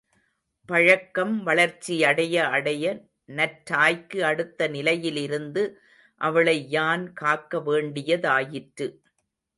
பழக்கம் வளர்ச்சியடைய அடைய நற்றாய்க்கு அடுத்த நிலையிலிருந்து அவளை யான் காக்க வேண்டியதாயிற்று.